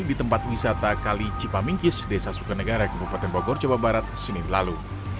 di tempat wisata kali cipamingkis desa sukanegara kebupaten bogor jawa barat senin lalu